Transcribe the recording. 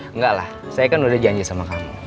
enggak lah saya kan udah janji sama kamu